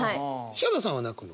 ヒャダさんは泣くの？